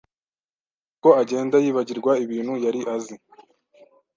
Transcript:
niko agenda yibagirwa ibintu yari azi.